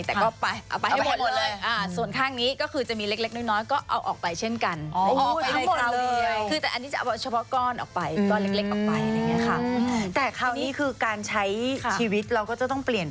แต่ก็เอาไปให้หมดเลย